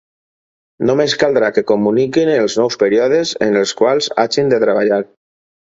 Només caldrà que comuniquin els nous períodes en els quals hagin de treballar.